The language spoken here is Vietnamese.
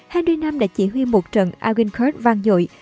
henry v đã chỉ huy một trận agincourt vang dội